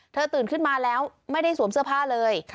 ตื่นขึ้นมาแล้วไม่ได้สวมเสื้อผ้าเลย